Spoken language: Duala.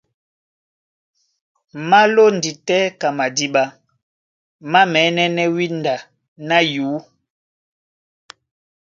Má lóndi tɛ́ ka madíɓá, má mɛ̌nɛ́nɛ́ wínda ná yǔ.